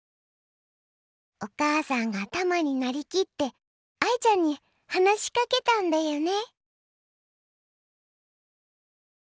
お母さんがたまになりきって愛ちゃんに話しかけたんだよね。